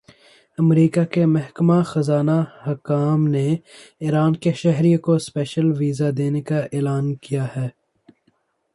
امریکا کے محکمہ خزانہ حکام نے ایران کے شہریوں کو سپیشل ویزا دینے کا اعلان کیا ہے